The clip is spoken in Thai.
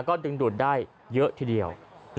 ก็ดึงดูดได้เยอะทีเดียว